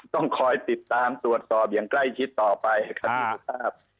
ต้องคอยติดตามตรวจสอบอย่างใกล้ชิดต่อไปครับพี่สุภาพ